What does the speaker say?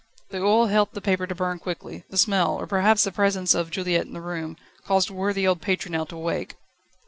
The oil helped the paper to burn quickly; the smell, or perhaps the presence of Juliette in the room caused worthy old Pétronelle to wake.